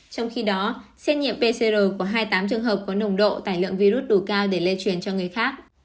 trong khi đó xét nghiệm pcr của hai mươi tám trường hợp có nồng độ tải lượng virus đủ cao để lây truyền cho người khác